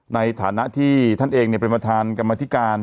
ในฐานะที่ท่านเองเนี่ยเป็นมาทานกรรมธิการ